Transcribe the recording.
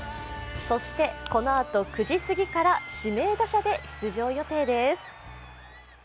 そしてこのあと９時すぎから指名打者で出場予定です。